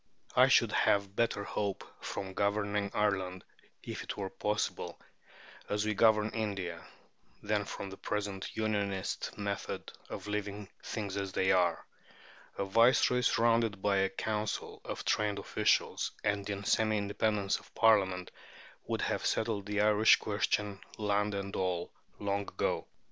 I should have better hope from governing Ireland (if it were possible) as we govern India, than from the present Unionist method of leaving "things as they are." A Viceroy surrounded by a Council of trained officials, and in semi independence of Parliament, would have settled the Irish question, land and all, long ago.